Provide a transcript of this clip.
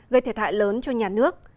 gây thiệt hại lớn cho nhà nước